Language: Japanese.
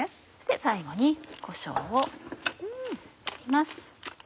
最後にこしょうを振ります。